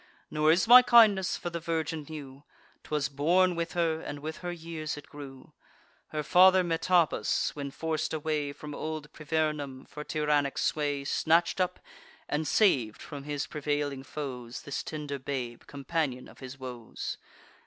Nor is my kindness for the virgin new: 'Twas born with her; and with her years it grew. Her father Metabus, when forc'd away From old Privernum, for tyrannic sway, Snatch'd up, and sav'd from his prevailing foes, This tender babe, companion of his woes.